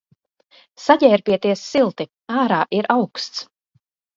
Saģērbieties silti, ārā ir auksts.